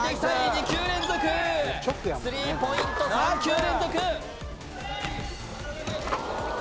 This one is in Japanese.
２球連続スリーポイント３球連続